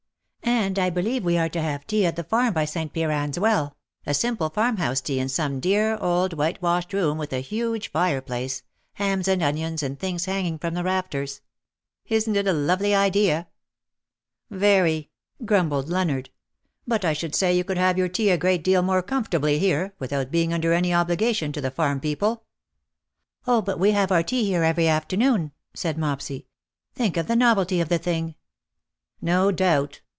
And I believe we are to have tea at the farm by St. Piran^s well — a simple farmhouse tea in some dear old whitewashed room with a huge fireplace, hams and onions and things hanging from the rafters. Isn^t it a lovely idea T' <i Yery/^ grumbled Leonard ;^' but I should say you could have your tea a great deal more comfort CROWNED WITH SNAKES." 175 ably liere, without being under an obligation to the farm people/^ '^ Oh, but we have our tea here every afternoon/' said Mopsy. '^ Think of the novelty of the thing." '^No doubt.